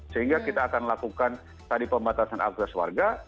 sehingga kita akan melakukan tadi pembatasan akhlas warga